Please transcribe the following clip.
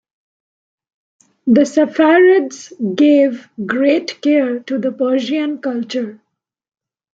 The Saffarids gave great care to the Persian culture.